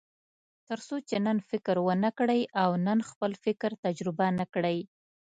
تر څو چې نن فکر ونه کړئ او نن خپل فکر تجربه نه کړئ.